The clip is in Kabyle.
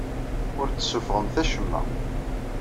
Ur d-tessuffɣemt acemma.